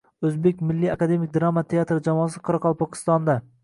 O‘zbek milliy akademik drama teatri jamoasi Qoraqalpog‘istonda